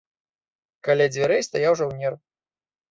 Каля дзвярэй стаяў жаўнер.